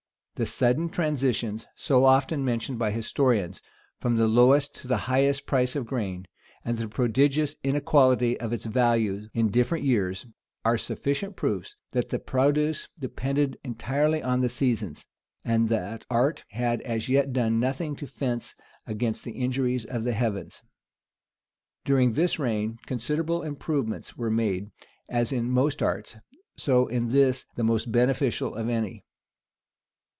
The sudden transitions, so often mentioned by historians, from the lowest to the highest price of grain, and the prodigious inequality of its value in different years, are sufficient proofs, that the produce depended entirely on the seasons, and that art had as yet done nothing to fence against the injuries of the heavens. During this reign, considerable improvements were made, as in most arts, so in this, the most beneficial of any.